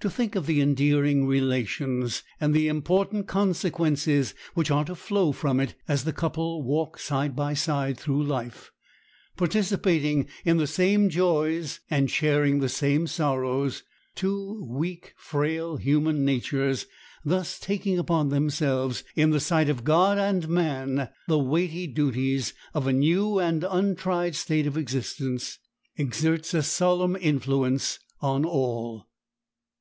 To think of the endearing relations, and the important consequences which are to flow from it as the couple walk side by side through life, participating in the same joys and sharing the same sorrows, two weak, frail human natures thus taking upon themselves, in the sight of God and man, the weighty duties of a new and untried state of existence, exerts a solemn influence on all.